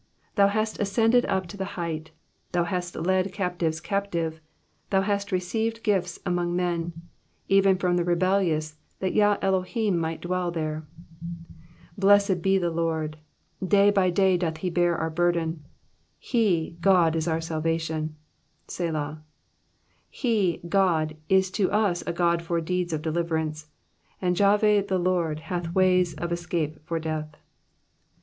19 Thou hast ascended up to the height. Thou hast led captives captive. Thou hast received gifts among men. Even from the rebellious, that Jah Elohim might dwell [there]. Digitized by VjOOQIC PSALM THB SIXTY BIOHTH. 229 20 Blessed be the Lord : Day by day doth He bear our burden, He, God, is our salvation. (Se/a.) 21 He, God, is to us a God for deeds of deliverance, And Jahve the Lord hath ways of escape for death.